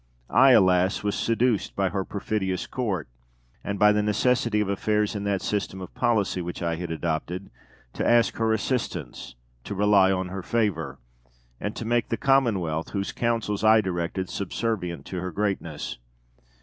I, alas! was seduced by her perfidious Court, and by the necessity of affairs in that system of policy which I had adopted, to ask her assistance, to rely on her favour, and to make the commonwealth, whose counsels I directed, subservient to her greatness.